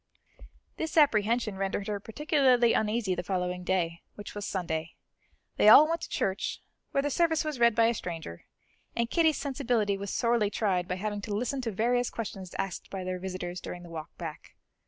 This apprehension rendered her particularly uneasy the following day, which was Sunday. They all went to church, where the service was read by a stranger, and Kitty's sensibility was sorely tried by having to listen to various questions asked by their visitors during the walk back.